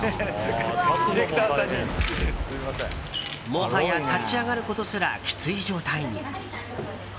もはや立ち上がることすらきつい状態に。